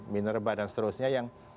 minerba dan seterusnya yang